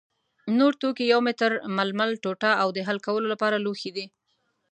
نور توکي یو متر ململ ټوټه او د حل کولو لپاره لوښي دي.